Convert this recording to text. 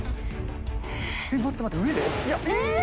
待って待って、上で？